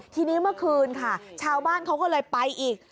ทีนี้เมื่อคืนค่ะชาวบ้านเขาก็เลยไปอีก